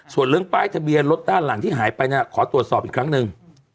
ส่วนเรื่องป้ายทะเบียนรถด้านหลังที่หายไปขอตรวจสอบอีกครั้งหนึ่ง